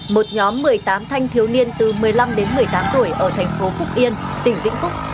một nhóm một mươi tám thanh thiếu niên từ một mươi năm đến một mươi tám tuổi ở thành phố phúc yên tỉnh vĩnh phúc